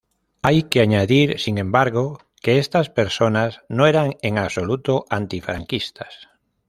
Hay que añadir sin embargo, que estas personas no eran en absoluto antifranquistas.